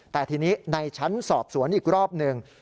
แต่ทีนี้ในชั้นสอบสวนอีกรอบหนึ่ง